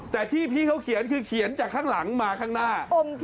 แต่ที่พี่เขาเขียนคือเขียนจากข้างหลังมาข้างหน้า